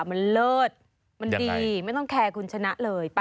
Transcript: มันเลิศมันดีไม่ต้องแคร์คุณชนะเลย